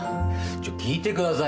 聞いてくださいよ。